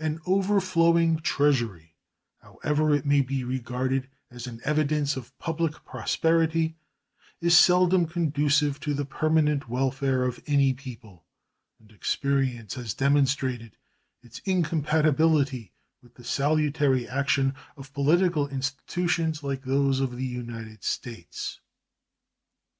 An overflowing Treasury, however it may be regarded as an evidence of public prosperity, is seldom conducive to the permanent welfare of any people, and experience has demonstrated its incompatibility with the salutary action of political institutions like those of the United States.